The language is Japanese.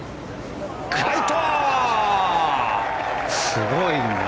すごいな。